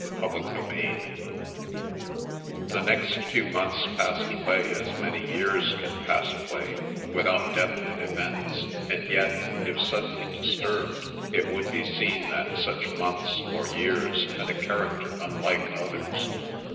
CHAPTER VIII The next few months passed away, as many years can pass away, without definite events, and yet, if suddenly disturbed, it would be seen that such months or years had a character unlike others.